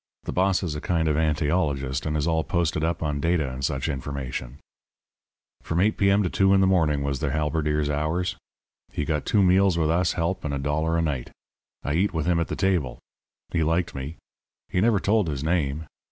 The boss is a kind of a antiologist, and is all posted up on data and such information. "From 8 P.M. to two in the morning was the halberdier's hours. He got two meals with us help and a dollar a night. I eat with him at the table. He liked me. He never told his name.